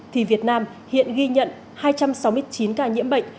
thì việt nam hiện ghi nhận hai trăm sáu mươi chín ca nhiễm bệnh